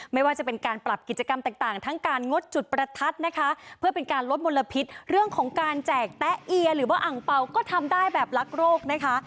ไม่ว่าจะเป็นการปรับกิจกรรมต่างทั้งการงดจุดประทัดนะคะเพื่อเป็นการลดมลพิษเรื่องของการแจกแต๊ะเอียหรือว่าอังเปล่าก็ทำได้แบบรักโรคนะคะ